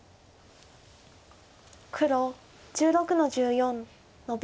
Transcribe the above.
黒１６の十四ノビ。